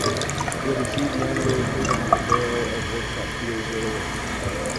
He had received the honorary freedom of the Borough of Worksop two days earlier.